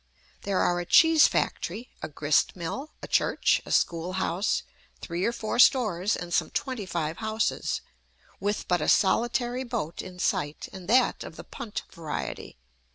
There are a cheese factory, a grist mill, a church, a school house, three or four stores, and some twenty five houses, with but a solitary boat in sight, and that of the punt variety.